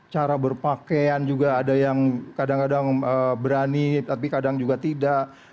cara berpakaian juga ada yang kadang kadang berani tapi kadang juga tidak